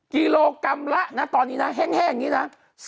กิโลกรัมละนะตอนนี้นะแห้งอย่างนี้นะ